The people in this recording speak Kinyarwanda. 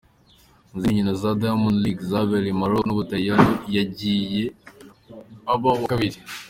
Mu zindi nkino za Diamond League zabereye Maroc n'Ubutaliyano yagiye aba uwa kabiri.